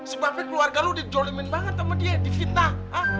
sebabnya keluarga lu dijolemin banget sama dia divinta ha